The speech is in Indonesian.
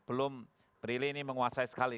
belum brilly ini menguasai sekali